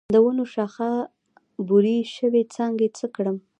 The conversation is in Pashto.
د ونو شاخه بري شوي څانګې څه کړم؟